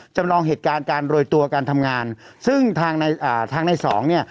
จำลองเหตุการณ์การโรยตัวการทำงานซึ่งทางในอ่าทางในสองเนี่ย